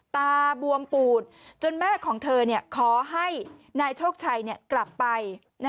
ตาบวมปูดจนแม่ของเธอขอให้นายโชคชัยกลับไป